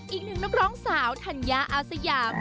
อีกหนึ่งนักร้องสาวธัญญาอาสยาม